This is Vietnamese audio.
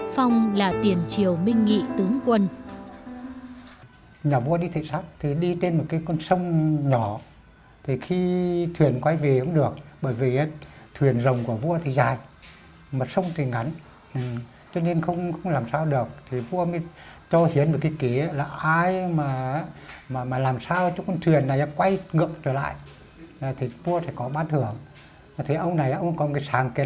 phong là tiền triều minh nghị tướng quân